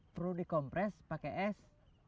perlu dikompres pake es